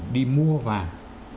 đi mua vàng